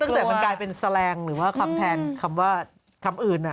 แต่มันกลายเป็นแสลงหรือว่าคำแทนคำว่าคำอื่น